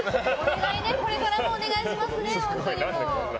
これからもお願いしますね。